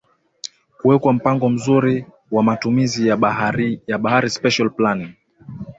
Kuwekwa mpango mzuri wa matumizi ya bahari Special planning